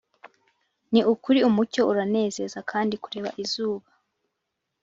Ni ukuri umucyo uranezeza kandi kureba izuba